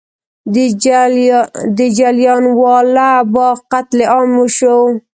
د جلیانواله باغ قتل عام وشو.